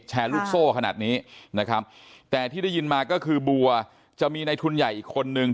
ลูกโซ่ขนาดนี้นะครับแต่ที่ได้ยินมาก็คือบัวจะมีในทุนใหญ่อีกคนนึง